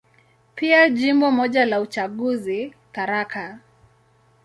Pia Jimbo moja la uchaguzi, Tharaka.